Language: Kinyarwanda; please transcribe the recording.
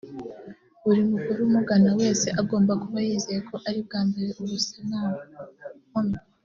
Buri mugore umugana wese agomba kuba yizeye ko ari bwambare ubusa nta nkomyi